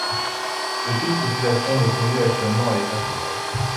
Aucune population n'est connue actuellement à l'état sauvage.